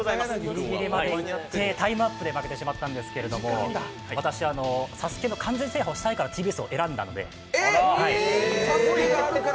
タイムアップで負けてしまったんですけど、私「ＳＡＳＵＫＥ」の完全制覇をしたいからＴＢＳ選んだので。